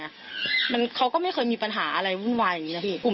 เขาก็ไม่เคยมีปัญหาอะไรวุ่นวายอย่างนี้นะพี่